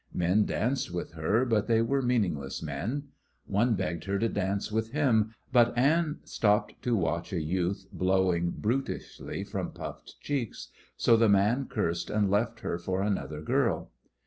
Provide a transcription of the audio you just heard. Men danced with her, but they were meaningless men. One begged her to dance with him, but Anne stopped to watch a youth blowing brutishly from puffed cheeks, so the man cursed and left her for another girl.